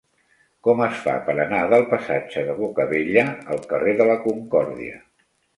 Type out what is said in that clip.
Com es fa per anar del passatge de Bocabella al carrer de la Concòrdia?